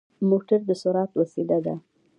موټر د سرعت وسيله ده.